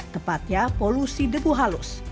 tepatnya polusi debu halus